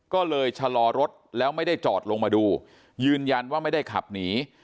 ก็เลยชะลอรถแล้วไม่ได้จอดลงมาดูยืนยันว่าไม่ได้ขับหนี